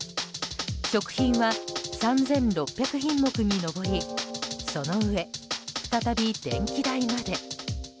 食品は３６００品目に上りそのうえ、再び電気代まで。